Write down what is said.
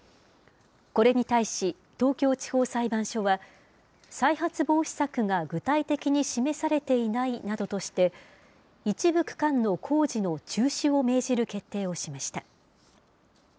これに対し、東京地方裁判所は、再発防止策が具体的に示されていないなどとして、一部区間の工事の中止を命じる決定をしました。